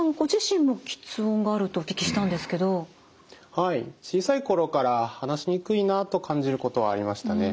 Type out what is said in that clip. はい小さい頃から話しにくいなと感じることはありましたね。